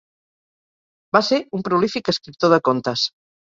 Va ser un prolífic escriptor de contes.